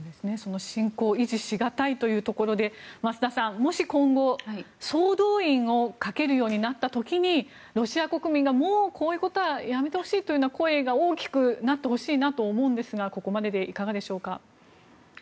侵攻を維持しがたいということで増田さん、もし今後総動員をかけるようになった時ロシア国民がもうこういうことはやめてほしいという声が大きくなってほしいなと思うんですがここまででいかがでしょうか？